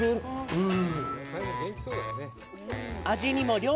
うん。